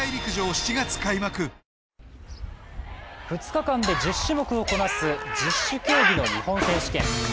２日間で１０種目をこなす十種競技の日本選手権。